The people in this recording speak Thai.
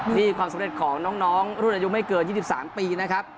นี่ความสำเร็จของน้องรุ่นอายุไม่เกิน๒๓ปีนะครับ